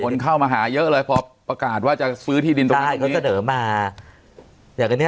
คนเข้ามาหาเยอะเลยพอประกาศว่าจะซื้อที่ดินตรงนี้ตรงนี้